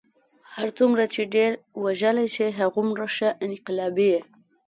هر څومره چې ډېر وژلی شې هغومره ښه انقلابي یې.